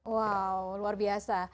wow luar biasa